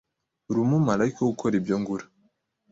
uri umumarayika wo gukora ibyo ngura.